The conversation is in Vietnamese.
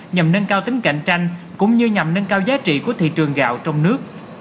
nhằm nâng cao tính cạnh tranh cũng như nhằm nâng cao giá trị của thị trường gạo trong nước